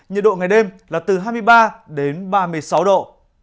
nhiệt độ ngày đêm là từ hai mươi ba đến ba mươi sáu độ